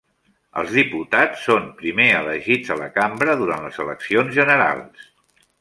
Els diputats són primer elegits a la Cambra durant les eleccions generals.